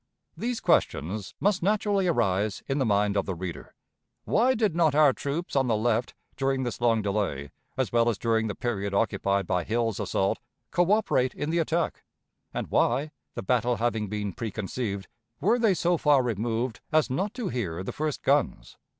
These questions must naturally arise in the mind of the reader: Why did not our troops on the left, during this long delay, as well as during the period occupied by Hill's assault, coöperate in the attack? and Why, the battle having been preconceived, were they so far removed as not to hear the first guns?